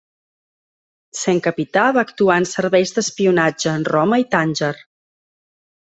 Sent capità va actuar en serveis d'espionatge en Roma i Tànger.